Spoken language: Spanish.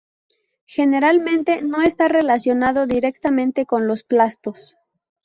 Generalmente no está relacionado directamente con los plastos.